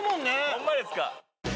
ホンマですか。